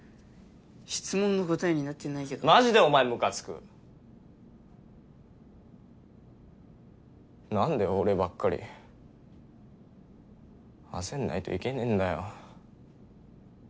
質問の答えになってないけどマジでお前むかつくなんで俺ばっかり焦んないといけねぇんだよ